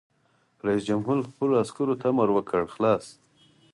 رئیس جمهور خپلو عسکرو ته امر وکړ؛ خلاص!